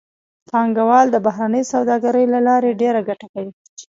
پانګوال د بهرنۍ سوداګرۍ له لارې ډېره ګټه کوي